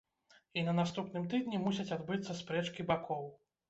На наступным тыдні мусяць адбыцца спрэчкі бакоў.